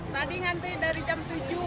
tadi ngantri dari jam tujuh